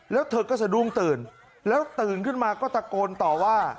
แล้วเธอก็สะดุ้งตื่นแล้วตื่นขึ้นมาก็ตะโกนต่อว่า